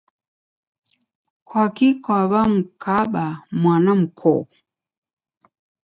kwaki kwaw'amkaba mwana mkoo?